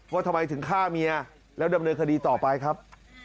ว่าทำไมถึงฆ่าเมียแล้วดำเนินคดีต่อไปครับ